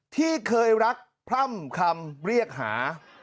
ที่เคยรักพร่ำคำเรียกหา